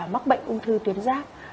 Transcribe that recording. mắc bệnh ung thư tuyến giáp